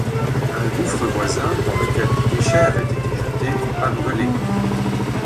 Un gouffre voisin dans lequel des déchets avaient été jetés a brûlé.